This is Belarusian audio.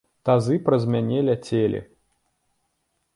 Тазы праз мяне ляцелі!